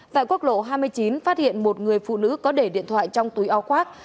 tại quốc lộ hai mươi chín phát hiện một người phụ nữ có để điện thoại trong túi áo khoác